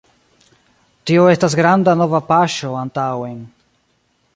Tio estas granda nova paŝo antaŭen